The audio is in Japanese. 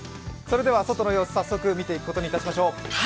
それでは、外の様子、早速見ていくことにしましょう。